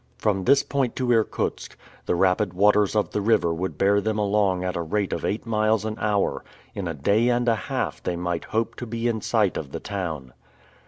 From this point to Irkutsk, the rapid waters of the river would bear them along at a rate of eight miles an hour. In a day and a half they might hope to be in sight of the town.